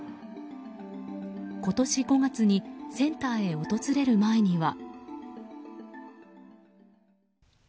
今年５月にセンターへ訪れる前には。